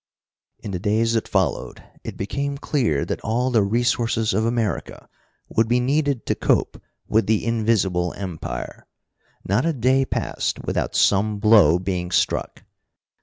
In the days that followed it became clear that all the resources of America would be needed to cope with the Invisible Empire. Not a day passed without some blow being struck.